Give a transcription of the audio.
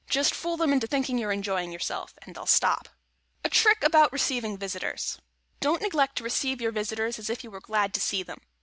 Just fool them into thinking you're enjoying yourself, and they'll stop. [Sidenote: A TRICK ABOUT RECEIVING VISITORS] Don't neglect to receive your visitors as if you were glad to see them.